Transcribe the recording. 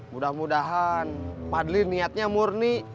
mudah mudahan fadli niatnya murni